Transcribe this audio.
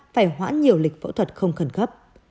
phải hoãn nhiều lịch phẫu thuật không khẩn cấp